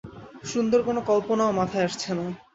সুন্দর কোনো কল্পনাও মাথায় আসছে না।